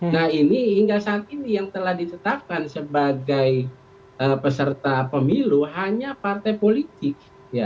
nah ini hingga saat ini yang telah ditetapkan sebagai peserta pemilu hanya partai politik